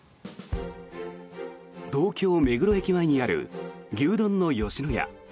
東京・目黒駅前にある牛丼の吉野家。